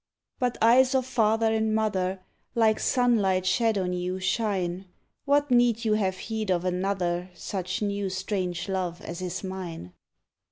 But eyes of father and mother Like sunlight shed on you shine: What need you have heed of another Such new strange love as is mine?